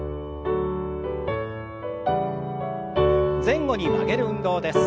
前後に曲げる運動です。